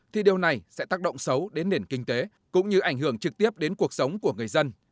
thì điều này sẽ tác động xấu đến nền kinh tế cũng như ảnh hưởng trực tiếp đến cuộc sống của người dân